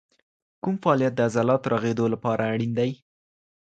کوم فعالیت د عضلاتو رغېدو لپاره اړین دی؟